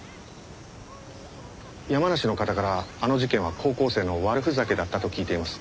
山梨の方からあの事件は高校生の悪ふざけだったと聞いています。